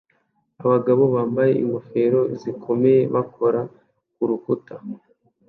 Abagabo bambaye ingofero zikomeye bakora kurukuta